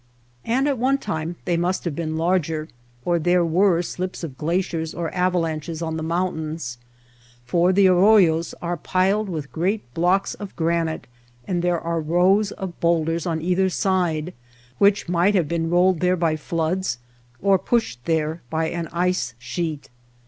And at one time they must have been larger, or there were slips of glaciers or avalanches on the mountains ; for the arroyos are piled with great blocks of granite and there are rows of bowlders on either side which might have been rolled there by floods or pushed there by an ice sheet.